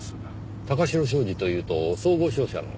貴城商事というと総合商社の？